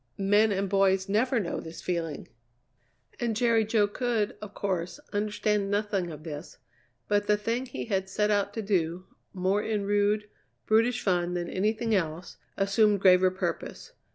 Men and boys never know this feeling." And Jerry Jo could, of course, understand nothing of this, but the thing he had set out to do, more in rude, brutish fun than anything else, assumed graver purpose.